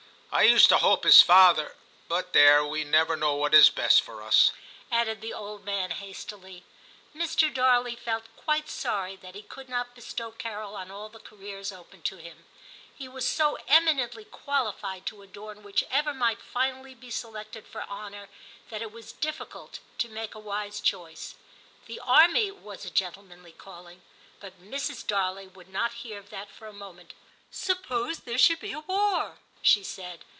I used to hope his father — but there, we never know what is best for us,' added the old man hastily. Mr. Darley felt 20 TIM CHAP. quite sorry that he could not bestow Carol on all the careers open to him ; he was so eminently qualified to adorn whichever might finally be selected for honour, that it was difficult to make a wise choice. The army was a gentlemanly calling, but Mrs. Darley would not hear of that for a moment. 'Suppose there should be a war/ she said.